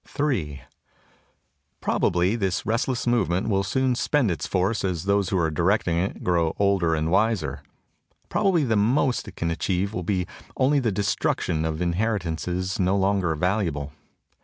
Ill PROBABLY this restless movement will soon spend its force as those who are directing it grow older and wiser. Probably the most it can achieve will be only the destruction of in heritances no longer valuable.